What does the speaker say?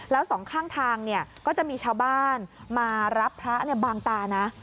แล้วสองข้างทางก็จะมีชาวบ้านมารับพระบางตานะ